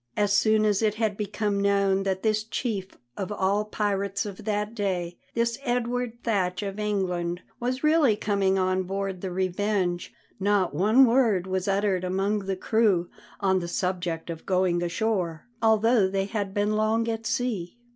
As soon as it had become known that this chief of all pirates of that day, this Edward Thatch of England, was really coming on board the Revenge, not one word was uttered among the crew on the subject of going ashore, although they had been long at sea.